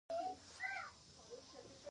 هلته د چوکیو او کاچوغو رواج هم نه و لیدل کېده.